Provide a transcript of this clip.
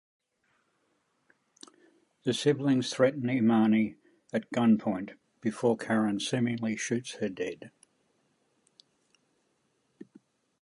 The siblings threaten Imani at gunpoint before Karen seemingly shoots her dead.